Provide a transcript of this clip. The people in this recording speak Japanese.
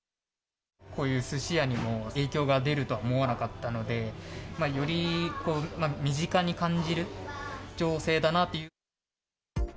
こういうすし屋にも影響が出ると思わなかったので、より身近に感じる情勢だなという。